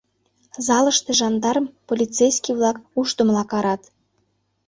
— залыште жандарм, полицейский-влак ушдымыла карат.